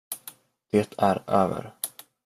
Det är över.